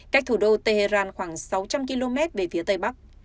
cách thủ đô tehran khoảng sáu trăm linh km về phía tây bắc